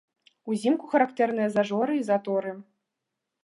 Узімку характэрныя зажоры і заторы.